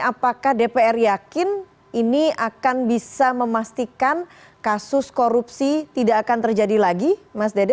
apakah dpr yakin ini akan bisa memastikan kasus korupsi tidak akan terjadi lagi mas dede